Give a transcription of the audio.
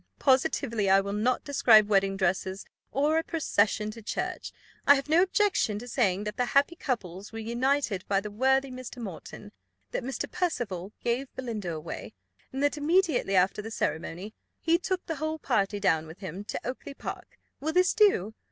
Positively I will not describe wedding dresses, or a procession to church. I have no objection to saying that the happy couples were united by the worthy Mr. Moreton; that Mr. Percival gave Belinda away; and that immediately after the ceremony, he took the whole party down with him to Oakly park. Will this do?